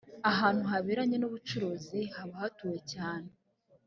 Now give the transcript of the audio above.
ahantu haberanye n ‘ubucuruzi habahatuwe cyane.